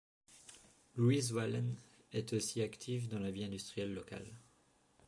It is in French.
Louis Zwahlen est aussi actif dans la vie industrielle locale.